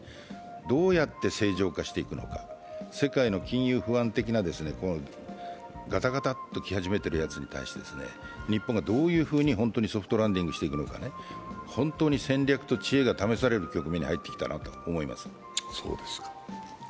どうやって正常化していくのか、世界の金融不安的なガタガタッとき始めているやつに対して、日本がどういうふうに本当にソフトランディングしていくのか、本当に戦略と知恵が試される局面に入ってきたなと思います。